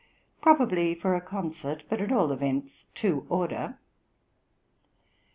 probably for a concert, but at all events to order.